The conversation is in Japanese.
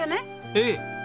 ええ。